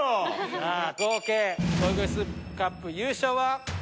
さあ合計ゴイゴイスーカップ優勝は。